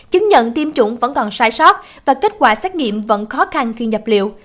chứng nhận tiêm chủng vẫn còn sai sót và kết quả xét nghiệm vẫn khó khăn khi nhập liệu